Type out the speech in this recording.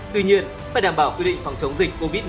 tuy nhiên phải đảm bảo quy định phòng chống dịch covid một mươi chín